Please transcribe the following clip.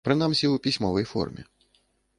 Прынамсі, у пісьмовай форме.